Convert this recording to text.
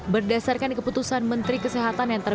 berdasarkan keputusan menteri kesehatan yang terbaik